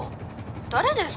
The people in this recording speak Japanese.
誰ですか？